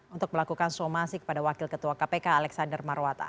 untuk melakukan somasi kepada wakil ketua kpk alexander marwata